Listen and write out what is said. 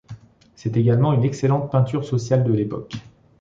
C'est également une excellente peinture sociale de l'époque.